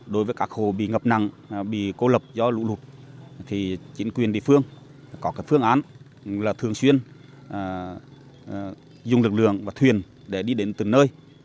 đối với các hồ bị ngập nặng bị cô lập do lũ lụt thì chính quyền địa phương có các phương án là thường xuyên dùng lực lượng và thuyền để đi đến từng nơi